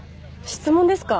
質問ですか？